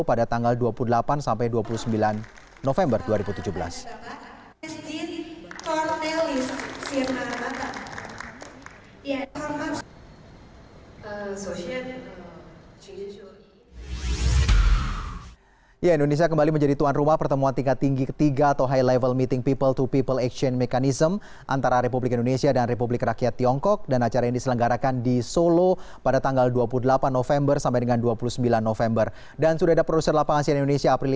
pada tanggal dua puluh delapan sampai dua puluh sembilan november dua ribu tujuh belas